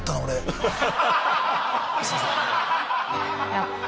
やっぱ。